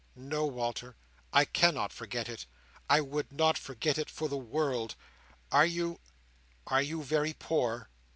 "No, Walter, I cannot forget it. I would not forget it, for the world. Are you—are you very poor?"